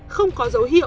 không có dấu hiệu